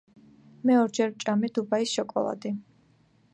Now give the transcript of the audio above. მე ორჯერ ვჭამე დუბაის შოკოლადი